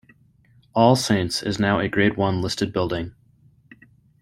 All Saints is now a grade one listed building.